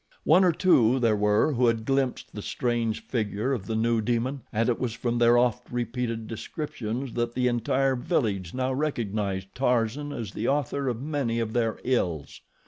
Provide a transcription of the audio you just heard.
One or two there were who had glimpsed the strange figure of the new demon and it was from their oft repeated descriptions that the entire village now recognized Tarzan as the author of many of their ills.